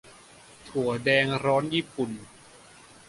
- ถั่วแดงร้อนญี่ปุ่น